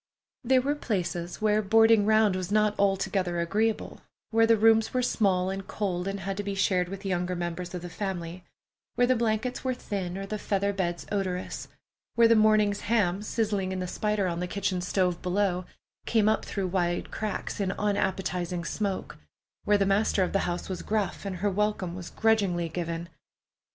There were places where boarding round was not altogether agreeable; where the rooms were small and cold and had to be shared with younger members of the family; where the blankets were thin, or the feather beds odorous; where the morning's ham sizzling in the spider on the kitchen stove below came up through wide cracks in unappetizing smoke; where the master of the house was gruff, and her welcome was grudgingly given.